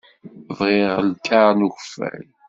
Bɣiɣ lkaṛ n ukeffay.